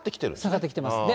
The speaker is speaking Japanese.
下がってきてますね。